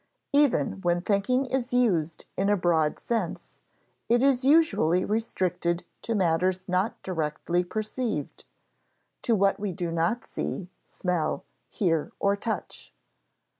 Even when thinking is used in a broad sense, it is usually restricted to matters not directly perceived: to what we do not see, smell, hear, or touch.